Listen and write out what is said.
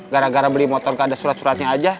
gara gara beli motor gak ada surat suratnya aja